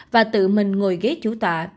và tự mình ngồi ghế chủ tọa